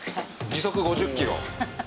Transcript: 時速５０キロ。